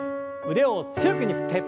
腕を強く振って。